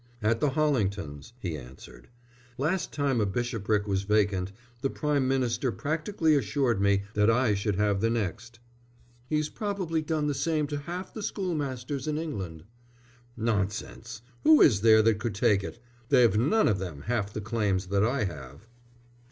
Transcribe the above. "At the Hollingtons," he answered. "Last time a bishopric was vacant, the Prime Minister practically assured me that I should have the next." "He's probably done the same to half the school masters in England." "Nonsense! Who is there that could take it? They've none of them half the claims that I have."